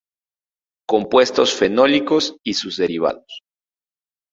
Compuestos fenólicos y sus derivados.